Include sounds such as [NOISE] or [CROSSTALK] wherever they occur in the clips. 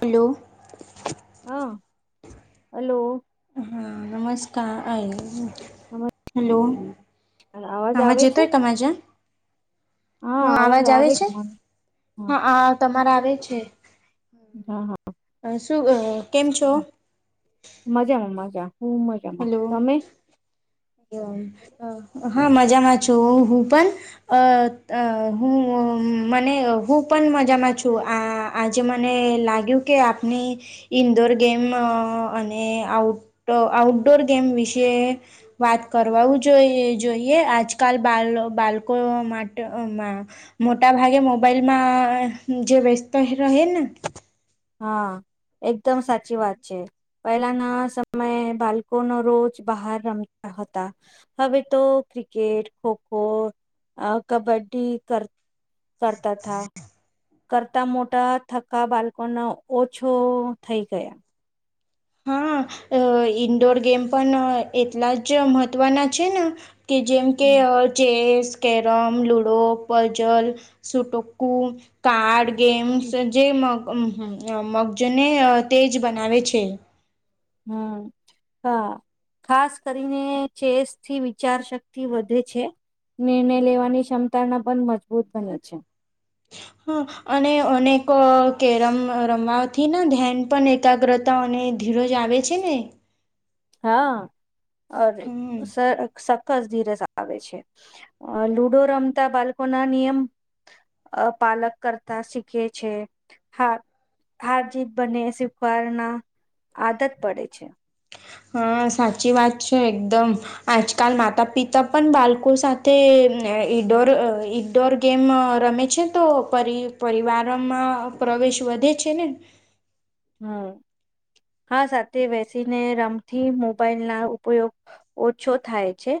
Hello. હા, hello. હા, નમસ્કાર. નમસ્કાર હલો, અવાજ આવાજ આવે છે એતોય તમારા જન હા, અવાજ આવે છે. હા. આ તમારે આવે છે હા હા શું? કેમ છો? મજામાં મજા, હ મજા! હલો. હા, મજામાં છું હું પણ. અ હું મને હું પણ મજામાં છું આ આજે મને લાગ્યું કે આપની ઇન્ડોર ગેમ અને આઉટ આઉટડોર ગેમ વિશે વાત કરવા જોઈએ, જોઈએ આજકાલ બા બાળકો માટેમાં. મોટા ભાગે મોબાઈલમાં જે વ્યસ્તો રહે ને. હા, એકદમ સાચી વાત છે. પહેલાના સમયે બાળકો ના રોજ બહાર રમતા હતા. હવે તો ક્રિકેટ, ખોખો, કબડ્ડી કર કરતા હતા. કરતા મોટા થકા બાળકો ન ઓછો થઈ ગયા. હા, ઈન્ડોર ગેમ પણ એટલા જ મહત્વના છે ને. કે જેમ કે હમ chess carrom, ludo, puzzle, સુટુકુ card games, જેમ મગજોને તેજ બનાવે છે. હમ, હા. ખાસ કરીને ચેસ થી વિચાર શક્તિ વધે છે. નિર્ણય લેવાની ક્ષમતાના પણ મજબૂત બને છે. હા, અને અનેક કેરમ રમવાથી ધ્યાન. પણ એકાગ્રતા અને ધીરજ આવે છે ને. હા. હમ [UNINTELLIGIBLE] ધીરજ આવે છે, લુડો રમતા બાળકો ના નિયમ. અ, પાલન કરતા શીખે છે. હા. હાર-જીત બને શીખવાના આદત પડે છે. હા, સાચી વાત છે એકદમ. આજકાલ માતા-પિતા પણ બાળકો સાથે ઈડોર ડોર ગેમ રમે છે, તો પરિ પરિવારમાં પ્રવેશ વધે છે ને. હમ. હા, સાથે બેસીને રમવાથી મોબાઈલ ના ઉપયોગ ઓછો થાય છે,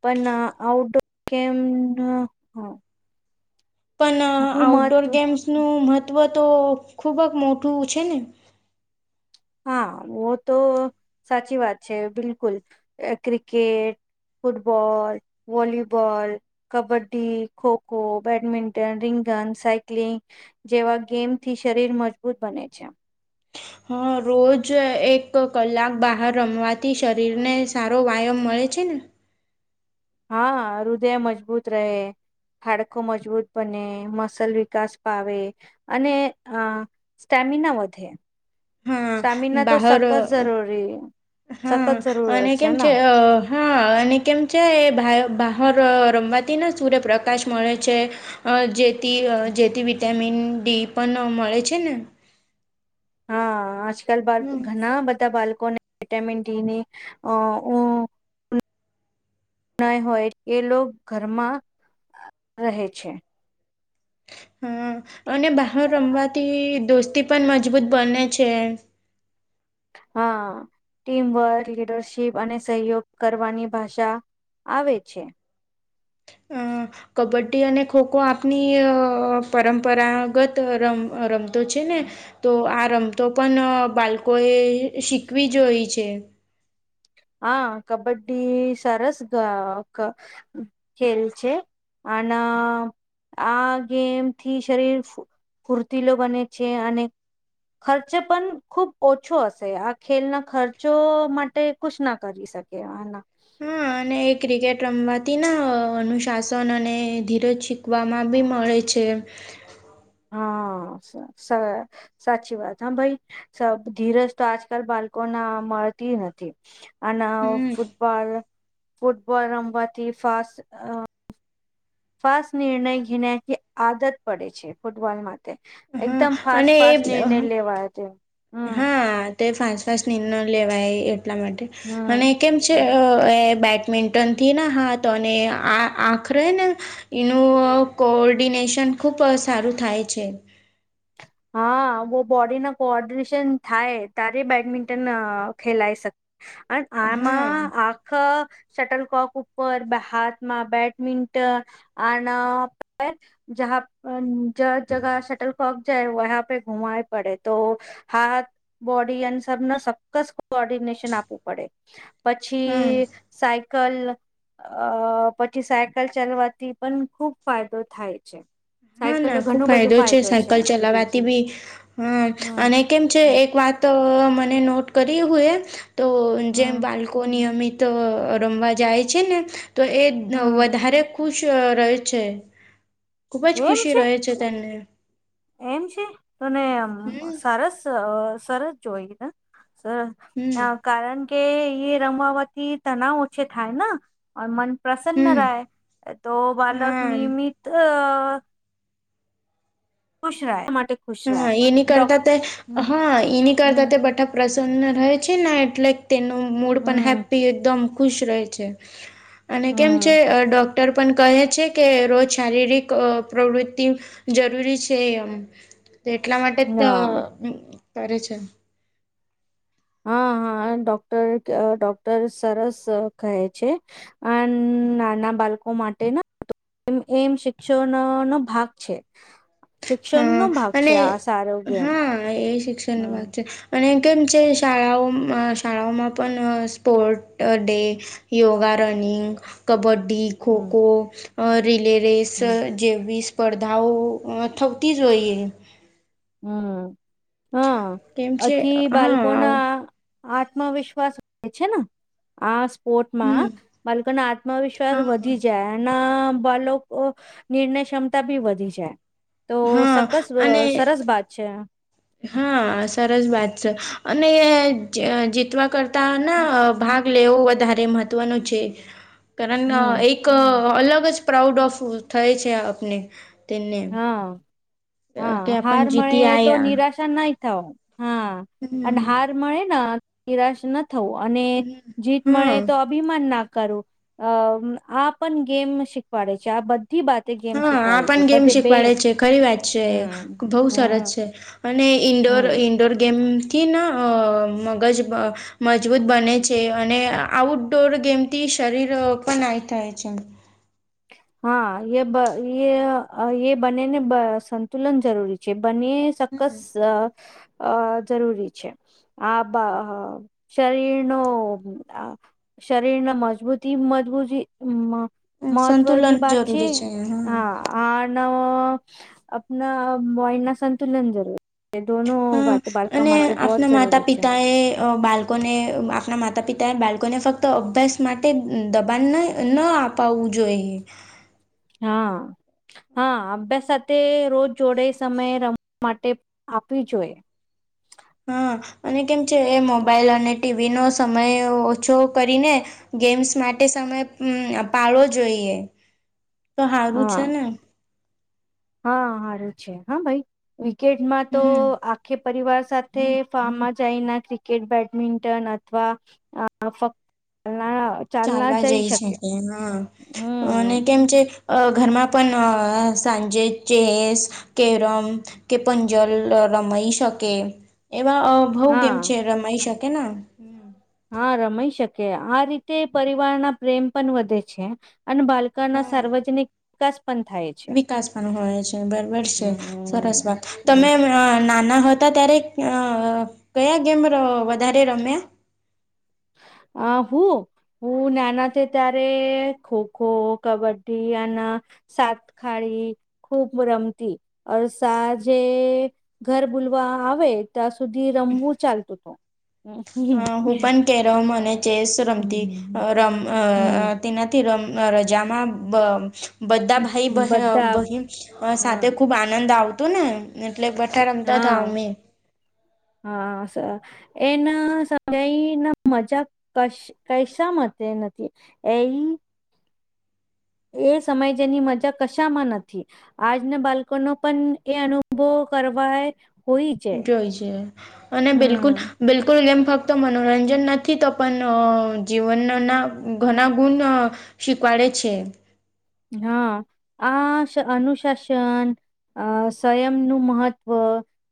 પણ આઉટડોર ગેમ. પણ હું આઉટડોર મહત્વ ગેમ્સનું મહત્ત્વ તો ખૂબ જ મોટું છે ને. હા, તો સાચી વાત છે, બિલકુલ cricket. Football, volleyball kabaddi, kho kho, badminton, રિંગન, સાઈક્લિંગ જેવા ગેમથી શરીર મજબૂત બને છે. હ, રોજ એક કલાક બહાર રમવાથી શરીર ને સારો વ્યાયામ મળે છે ને. હા, હૃદય મજબૂત રહે. હાડકુ મજબૂત બને, મસલ વિકાસ પામે અને સ્ટેમિના વધે. હા, સ્ટેમિના તો બહાર સખત જરૂરી સખત હા. જરૂર અને કેમ ને છે? હા, અને કેમ છે? બહાર રમવાથી ને સૂર્યપ્રકાશ મળે છે. અ જેથી-જેથી વિટામિન ડી પણ મળે છે ને. હા, આજકાલ બા હમ ઘણા બધા બાળકોને વિટામિન ડી ની અ. ન હોય એ લોકો ઘરમાં રહે છે. હા, અને બહાર રમવાથી દોસ્તી પણ મજબૂત બને છે. હા, ટીમવર્ક, લીડરશીપ અને સહયોગ કરવાની ભાષા. આવે છે. અ. કબડ્ડી અને ખોખો આપની પરંપરાગત રમ રમતો છે ને. તો આ રમતો પણ બાળકોએ શીખવી જોય છે. હા કબડ્ડી સરસ ગ. ખેલ છે અને. આ ગેમ થી શરીર ફૂર્તીલો બને છે અને. ખર્ચે પણ ખૂબ ઓછો હશે આ ખેલના ખર્ચો માટે. કછ ના કરી શકે હેના. હા અને. એ ક્રિકેટ રમવાથી અનુશાસન અને ધીરજ શીખવામાં બી મળે છે. હા સ. સાચી વાત હા ભાઈ ધીરજ તો આજકાલ બાળકો ના મળતી નથી. અને હમ. ફૂટબોલ ફૂટબોલ રમવાથી ફાસ્ટ. ફાસ્ટ નિર્ણય ઘેનાથી આદત પડે છે ફૂટબોલમાં. હા એકદમ ફાસ્ટ અને ફાસ્ટ એ નિર્ણય લેવાયો તે. હા તે ફાસ્ટ ફાસ્ટ નિર્ણય લેવાય એટલા માટે અને હમ કેમ છે. હમ એ બેડમિન્ટનથી ને હા તો અને આ આખરે ને. એનું કોઓર્ડિનેશન ખુબ સારું થાય છે. હા બ બોડી ના કોર્ડિનેશન થાય તારે બેડમિન્ટન ખેલાય શકે. અને હા આમાં આખા. શટલકોક ઉપર હાથમાં બેડમિન્ટન આના. જ અ જ જગ શટલ ફક. વહ પે ઘુમાય પડે તો હાથ. બોડી એન્સરને ચોક્કસ કોર્ડિનેશન આપવું પડે હા. પછી. સાયકલ અ પછી સાયકલ ચાલવાથી પણ ખુબ ફાયદો થાય. છે હા સાયકલ તો ના ખુબ ઘણું બધું ફાયદો છે સાયકલ ચલાવા. હ હમ અને કેમ છે એક વાત મને નોટ કરી હોય. તો જેમ હમ બાળકો નિયમિત રમવા જાય છે ને. તો એ હમ વધારે ખુશ રહે છે. ખુબ જ ખુશી રહે છે તને. એમ છે તોને હમ સરસ સરસ જોઈ ને સરસ. હમ હ કારણ કે એ રમવાવાથી તનાવ ઓછે થાય ને. મન પ્રસન્ન હમ રાય તો બાલક હા નિયમિત અ. ખુશ રહ એ માટે. ખુશ રહે હા એની ડોક કરતા તે હમ હા એની હમ કરતાં તે બઠા પ્રસન્ન રહે છે ને એટલે. તેનું મૂડ પણ હમ હેપી એકદમ ખુશ રહે છે અને કેમ છે હમ ડો. ડૉક્ટર પણ કહે છે કે રોજ શારીરિક પ્રવૃત્તિ જરૂરી છે એમ. તો એટલા માટે કરે છે. હા હા ડોક્ટર ડોક્ટર સરસ કહે છે. અ નાના બાળકો માટે ના. એ એમ શિક્ષણનો નો ભાગ છે. હા શિક્ષણનો ભાગ અને છે આ સારો ગેમ હા એ શિક્ષણનો ભાગ હમ છે અને કેમ છે શાળાઓમાં શાળાઓમાં પણ sport day yoga running kabaddi હમ ખોખો રિલેરેસ હમ જેવી સ્પર્ધાઓ થ તી જોઈએ હમ હમ કેમ અછ છે હા બાળકોના આત્મવિશ્વાસ છે ને આ સ્પોર્ટમાં હમ બાલકો ના આત્મવિશ્વાસ હા વધી જાય એના બાળકો નિર્ણય ક્ષમતા બી વધી જાય તો હા સસ અને સરસ વાત છે હા સરસ વાત છે અને જીતવા કરતા ના ભાગ લેવો વધારે મહત્વનું છે કારણ હમ એક એક અલગ જ પ્રાઉડ ઓફ થાય છે આપને તેમને હા હા હાર જીતી મળે તો આયા નિરાશ નહી થઓ હા અને હમ હાર મળે ને નિરાશ નથ થવું અને જીત મળે હમ તો અભિમાન ના કરું અ આ પણ ગેમ શીખવાડે છે આ બધ બધી બાતે ગેમ હા આ શીખવાડી પણ છે ગેમ બે શીખવાડે ખરી વાત છે હમ બહ હમ સરસ છે અને ઇન્ડોર હમ ઇન્ડોર ગેમ ત ન મગજ બ અ મજબૂત બને છે અને આઉટડોર ગેમથી શરીર પણ ના થાય છે હા યે બ યે એ યે બને ને બ સંતુલન જરૂરી છે બને ચોક્સ અ અ જરૂરી છે આ શરીરનો શરીર ના મજબૂતી મજબૂતી મહત્વની વાત છે હા અને આપના બોઈ ના સંતુલન જરૂર એ દોનો હા અને બહોત આપના જરૂરી માતા છે પિતા એ બાલ આપણ ને આપણા માતા પિતા એ બાળકોને ફક્ત અભ્યાસ માટે દબાણ નહીં ન આપ પાવું જોઈએ હા [INAUDIBLE] હા અભ્યાસ સાથે રોજ જોડે સમય રમવા માટે આપવી જોઈએ હા અને કેમ છે એ મોબાઈલ અને ટીવી નો સમય ઓછો કરીને ગેમ્સ માટે સમય પાળવો જોઈએ તો સારું હા છે ને હા સારું છે હા ભાઈ વિકેટમાં તો હમ કે પરિવાર સાથે ફાર્મમાં જાયને ક્રિકેટ બેડમિન્ટન અથવા હ ફક્ત ના ચાલવા જઈ છેકે હા અને હમ કેમ છે ઘરમાં પણ અ સાંજે ચેસ કેરમ કે પંજલ રમાઈ શકે એવા બઉ કેમ છે હા રમાઈ શકે હા રમાઈ શકે આ રીતે પરિવાર ના પ્રેમ પણ વધે છે અને બાલ ના હા સાર્વજનિક વિકાસ પણ થાય છે વિકાસ પણનું હોય છે બરાબર છે હમ સરસ વાત હમ તમે નાના હતા ત્યારે અ કયા ગેમ વધારે રમ્યા આહું હું નાના છે ત્યારે ખોખો કબડ્ડી અને સાત ખાળી ખૂબ રમતી અર સાજે ઘર બોલવા આવે ત્યાં સુધી રમવું ચાલતું તુ અ હુ પન કેરમ અને ચેસ રમતી હમ રમ અ તેનાથી રમ રજામાં બ બધા ભાઈ બ હમ બધા બહીન સાથે હા ખુબ આનંદ આવતો ને. એટલે બઠા રમતા હતા હા અમે. હા સર એના સમય ના મજા કશ. કૈસા મ નથી એ. એ સમય જેની મજા કશામાં નથી. આજના બાળકો નો પણ એ અનુભવ કરવાય જોઈ છે અને બિલકુલ. હમ બિલકુલ ગેમ ફક્ત મનોરંજન નથી તો પણ અ જીવનના ઘણા ગુણ અ શીખવાડે છે. હા આ સ અનુશાસન અ સંયમ નું મહત્વ,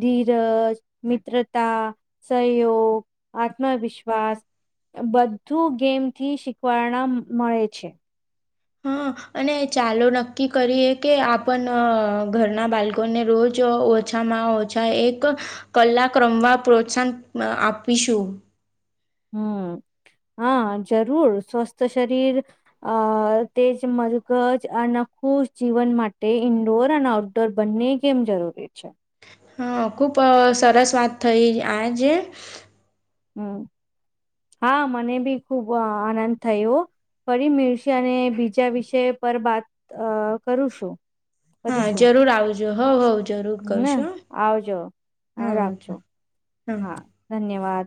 ધીરજ, મિત્રતા. સહયોગ આત્મવિશ્વાસ. બધું ગેમથી શીખવાના મળે છે. હા અને ચાલો નક્કી કરીએ કે આપન ઘરના બાળકોને રોજ. છામાં ઓછા એક કલાક રમવા પ્રોત્સાહન આપીશું. હમ હા જરૂર સ્વસ્થ શરીર. અ તેજ મગજ અન ખુશ જીવન માટે ઇન્ડોર અ ટોર બંને કેમ જરૂરી છે. હા ખૂબ સરસ વાત થઈ આજે. હમ હા મને ભી ખુબ આનંદ થયો. ફરી મીળશે અને બીજા વિષય પર બાત અ કરું છું. હા જરૂર આવજો હઉ હઉ હ આવજો હા રાખજો હા ધન્યવાદ.